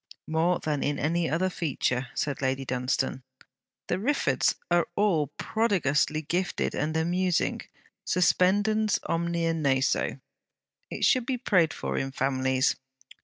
'More than in any other feature,' said Lady Dunstane. 'The Riffords are all prodigiously gifted and amusing: suspendens omnia naso. It should be prayed for in families.'